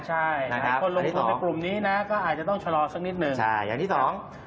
ใช่นะครับคนลงทุนในกลุ่มนี้นะก็อาจจะต้องชะลอสักนิดหนึ่งใช่อย่างที่สอง